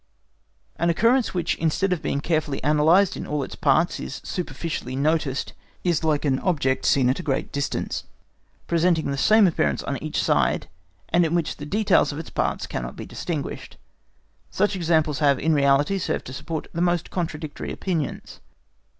An occurrence which, instead of being carefully analysed in all its parts, is superficially noticed, is like an object seen at a great distance, presenting the same appearance on each side, and in which the details of its parts cannot be distinguished. Such examples have, in reality, served to support the most contradictory opinions.